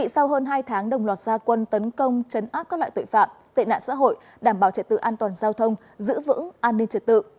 sau hơn hai tháng đồng loạt gia quân tấn công chấn áp các loại tội phạm tệ nạn xã hội đảm bảo trật tự an toàn giao thông giữ vững an ninh trật tự